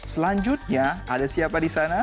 selanjutnya ada siapa di sana